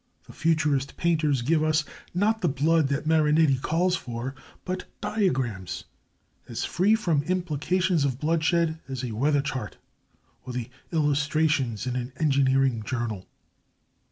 The Futurist painters give us, not the blood that Marinetti calls for, but diagrams as free from implications of bloodshed as a weather chart or the illustrations in an engineering journal.